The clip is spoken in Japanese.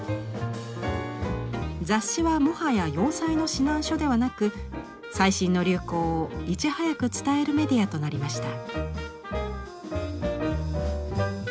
雑誌はもはや洋裁の指南書ではなく最新の流行をいち早く伝えるメディアとなりました。